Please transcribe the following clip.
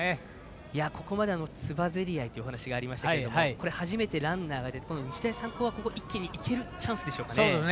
ここまで、つばぜり合いというお話がありましたが初めて先頭ランナーが出てここは日大三高いけるところですかね。